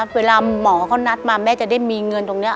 เวลาหมอเขานัดมาแม่จะได้มีเงินตรงนี้